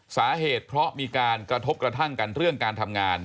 สาเหตุเพราะมีการกระทบกระทั่งกันเรื่องการทำงาน